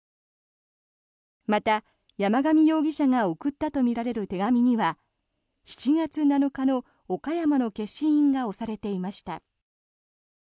また、山上容疑者が送ったとみられる手紙には７月７日の岡山の消印が押されていました。